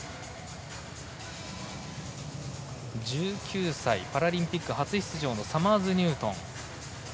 １９歳、パラリンピック初出場のサマーズニュートン。